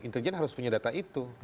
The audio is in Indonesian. intelijen harus punya data itu